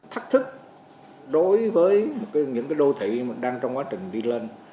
thách thức đối với những đô thị mà đang trong quá trình đi lên